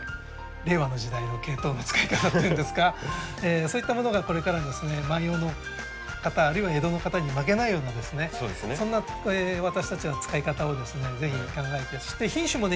令和の時代のケイトウの使い方っていうんですかそういったものがこれからですね万葉の方あるいは江戸の方に負けないようなそんな私たちは使い方をぜひ考えてそして品種もね